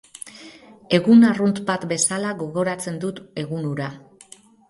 Egun arrunt bat bezala gogoratzen dut egun hura.